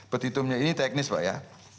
petitumnya ini teknis ya